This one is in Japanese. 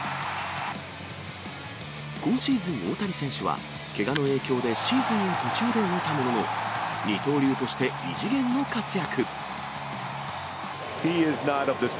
今シーズン、大谷選手はけがの影響でシーズンを途中で終えたものの、二刀流として異次元の活躍。